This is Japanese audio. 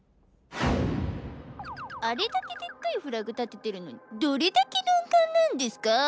あれだけでっかいフラグ立ててるのにどれだけ鈍感なんですかぁ？